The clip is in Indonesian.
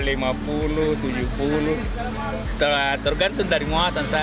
itu tidak tentu